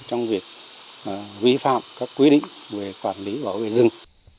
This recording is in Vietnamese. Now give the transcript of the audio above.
trong việc vi phạm các quy định về quản lý bảo vệ rừng